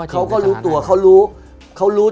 เขาก็รู้ตัวเขารู้